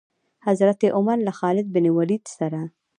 حضرت عمر له خالد بن ولید سره.